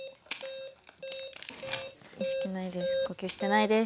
意識ないです。